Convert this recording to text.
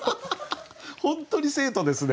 本当に生徒ですね。